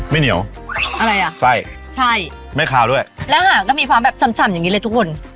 ไม่เหนียวอะไรอ่ะไส้ใช่ไม่คาวด้วยแล้วหางก็มีความแบบฉ่ำอย่างนี้เลยทุกคน